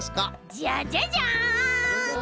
じゃじゃじゃん！